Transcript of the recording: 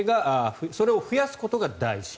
それを増やすことが大事。